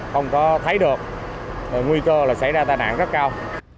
không có thấy được nguy cơ là xảy ra tai nạn rất cao